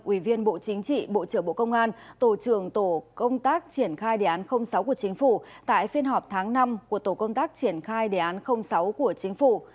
ủy viên bộ chính trị bộ trưởng bộ công an tổ trưởng tổ công tác triển khai đề án sáu của chính phủ tại phiên họp tháng năm của tổ công tác triển khai đề án sáu của chính phủ